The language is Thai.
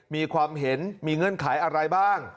มีความเห็นมีเงื่อนไขอะไรบ้าง